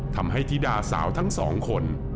ทำให้ธิดาสาวทั้งสองคน